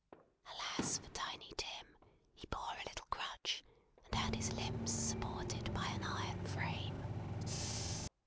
Alas for Tiny Tim, he bore a little crutch, and had his limbs supported by an iron frame!